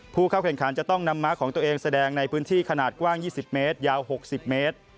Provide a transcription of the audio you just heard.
ผู้เข้าแข่งขันจะต้องนำม้าของตัวเองแสดงในพื้นที่ขนาดกว้าง๒๐เมตรยาว๖๐เมตร